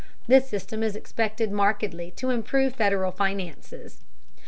This system is expected markedly to improve Federal finances.